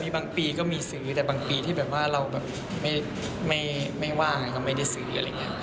บางปีก็มีซื้อแต่บางปีที่แบบว่าเราแบบไม่ว่างก็ไม่ได้ซื้ออะไรอย่างนี้